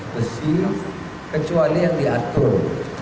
besi kecuali yang diatur